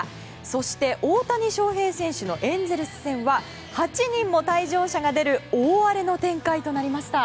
そして大谷翔平選手のエンゼルス戦は８人も退場者が出る大荒れの展開となりました。